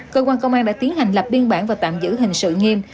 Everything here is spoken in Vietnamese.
cơ quan công an đã tiến hành lập biên bản và tạm giữ hình sự nghiêm